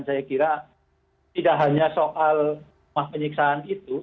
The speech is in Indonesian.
saya kira tidak hanya soal rumah penyiksaan itu